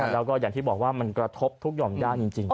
แล้วก็อย่างที่บอกว่ามันกระทบทุกหย่อมย่านจริง